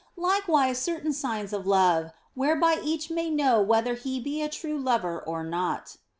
Likewise certain signs of love, whereby each may know whether he be a true lover or not.